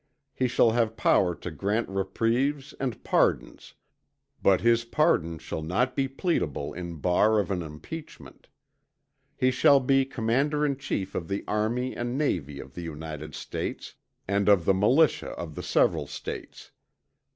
He shall have power to grant reprieves and pardons; but his pardon shall not be pleadable in bar of an impeachment. He shall be Commander in Chief of the Army and Navy of the United States, and of the Militia of the several States.